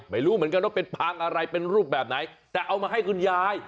ไม่รู้เหมือนกันว่าเป็นพังอะไรเป็นรูปแบบไหนแต่เอามาให้คุณยาย